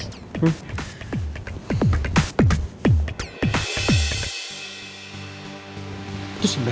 itu si bel